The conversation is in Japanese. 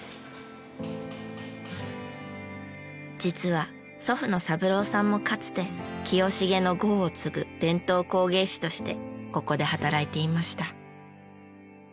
実は祖父の三郎さんもかつて「清茂」の号を継ぐ伝統工芸士としてここで働いていました。